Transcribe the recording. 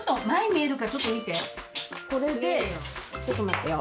これでちょっと待ってよ。